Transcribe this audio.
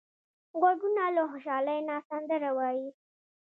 غوږونه له خوشحالۍ نه سندره وايي